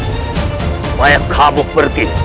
supaya kamu pergi